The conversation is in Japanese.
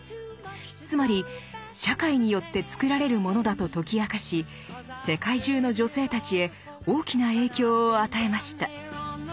つまり社会によってつくられるものだと解き明かし世界中の女性たちへ大きな影響を与えました。